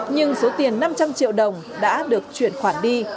nhưng số tiền năm trăm linh triệu đồng đã được chuyển khoản đi